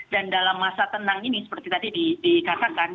dan dalam masa tenang ini seperti tadi dikatakan